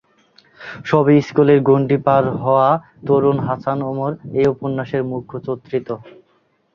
সবে স্কুলের গণ্ডি পার হওয়া তরুণ হাসান ওমর এ উপন্যাসের মুখ্যচত্রিত।